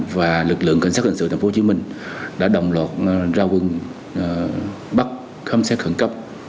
và lực lượng cảnh sát hành sự tp hcm đã động luật ra quân bắt khám xét khẩn cấp